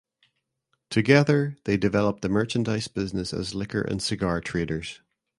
Together they developed the merchandise business as liquor and cigar traders.